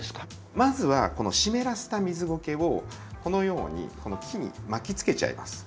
まずはこの湿らせた水ゴケをこのようにこの木に巻きつけちゃいます。